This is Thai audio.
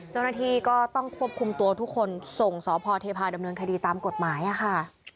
เจ้าหน้าที่ก็ต้องควบคุมตัวทุกคนส่งสพเทพาดำเนินคดีตามกฎหมายค่ะ